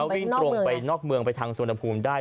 มันออกไปนอกเมืองพันคมได้